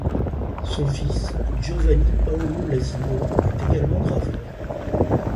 Son fils, Giovanni Paolo Lasinio, est également graveur.